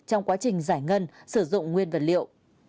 trong quá trình giải ngân sử dụng nguyên vật liệu